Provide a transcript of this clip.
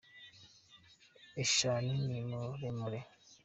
eshani nimuremure